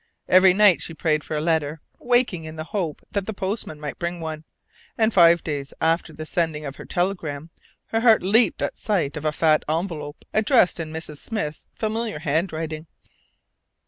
Every night she prayed for a letter, waking with the hope that the postman might bring one: and five days after the sending of her telegram her heart leaped at sight of a fat envelope addressed in Mrs. Smith's familiar handwriting.